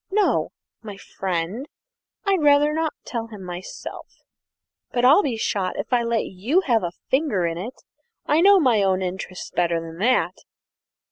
No, my friend; I'd rather not tell him myself but I'll be shot if I let you have a finger in it. I know my own interests better than that!"